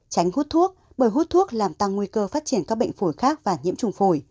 tránh hút thuốc bởi hút thuốc làm tăng nguy cơ phát triển các bệnh phổi khác và nhiễm trùng phổi